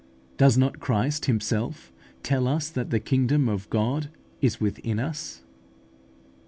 Does not Christ Himself tell us that the kingdom of God is within us?